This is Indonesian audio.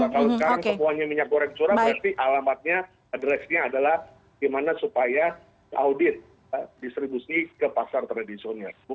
kalau sekarang semuanya minyak goreng curah berarti alamatnya addresnya adalah gimana supaya audit distribusi ke pasar tradisional